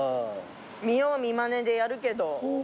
見よう見まねでやるけど。なぁ。